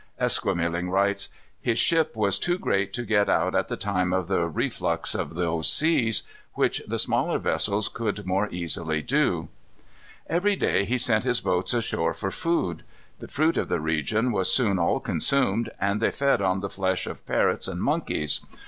Esquemeling writes: "His ship was too great to get out at the time of the reflux of those seas, which the smaller vessels could more easily do." Every day he sent his boats ashore for food. The fruit of the region was soon all consumed, and they fed on the flesh of parrots and monkeys.